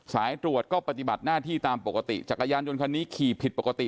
สายตรวจก็ปฏิบัติหน้าที่ตามปกติจักรยานยนต์คันนี้ขี่ผิดปกติ